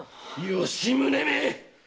吉宗めっ‼